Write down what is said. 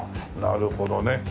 なるほどね。